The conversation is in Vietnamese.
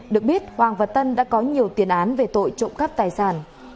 được biết hoàng và tân đã có nhiều tiền án về tội trộm cắp tài sản